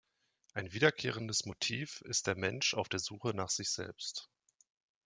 Ein wiederkehrendes Motiv ist der Mensch auf der Suche nach sich selbst.